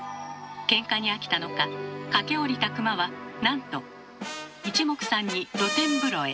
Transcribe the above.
ケンカに飽きたのか駆け下りた熊はなんといちもくさんに露天風呂へ。